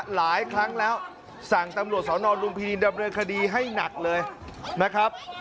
หลายครั้งแล้วสั่งตำรวจสอนอนลุมพินินดำเนินคดีให้หนักเลยนะครับ